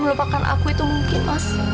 melupakan aku itu mungkin mas